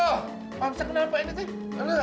pak hamzah kenapa ini teh